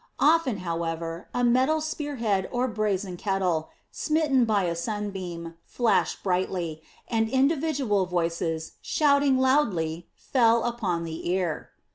Often, however, a metal spear head or a brazen kettle, smitten by a sunbeam, flashed brightly, and individual voices, shouting loudly, fell upon the ear.